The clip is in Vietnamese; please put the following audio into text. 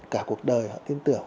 cả cuộc đời họ tin tưởng